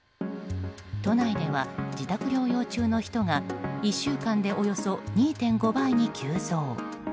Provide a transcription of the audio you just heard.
都内では、自宅療養中の人が１週間でおよそ２．５倍に急増。